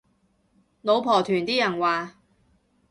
老婆團啲人話